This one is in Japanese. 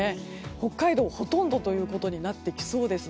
北海道、ほとんどということになってきそうです。